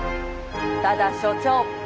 ただ所長